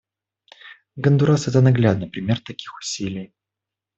Гондурас — это наглядный пример таких усилий.